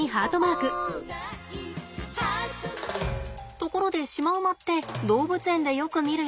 ところでシマウマって動物園でよく見るよね。